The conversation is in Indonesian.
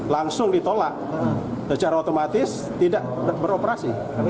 langsung ditolak secara otomatis tidak beroperasi